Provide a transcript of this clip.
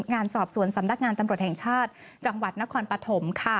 งานสอบสวนสำนักงานตำรวจแห่งชาติจังหวัดนครปฐมค่ะ